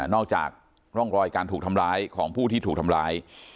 อกจากร่องรอยการถูกทำร้ายของผู้ที่ถูกทำร้าย